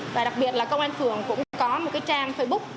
và đặc biệt là công an phường cũng có một cái trang facebook